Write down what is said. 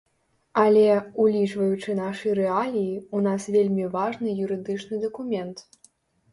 Але, улічваючы нашы рэаліі, у нас вельмі важны юрыдычны дакумент.